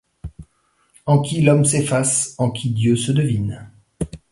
En qui l’homme s’efface, en qui Dieu se devine